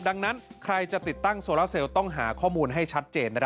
ดังนั้นใครจะติดตั้งโซลาเซลต้องหาข้อมูลให้ชัดเจน